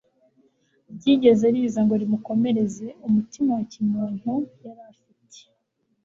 ryigeze riza ngo rimukomereze umutima wa kimuntu yari afite